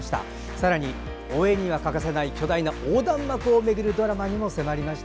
さらに、応援には欠かせない巨大な横断幕を巡るドラマにも迫りました。